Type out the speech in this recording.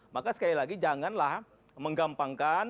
maka sekali lagi janganlah menggampangkan